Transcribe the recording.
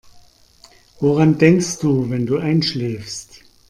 Woran denkst du, wenn du einschläfst?